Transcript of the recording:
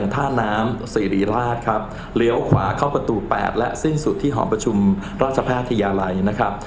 ท่าน้ำสิริราชครับเลี้ยวขวาเข้าประตู๘และสิ้นสุดที่หอประชุมราชแพทยาลัยนะครับ